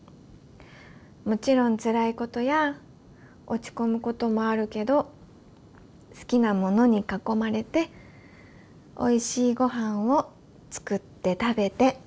もちろんつらいことや落ち込むこともあるけど好きなものに囲まれておいしいごはんを作って食べて。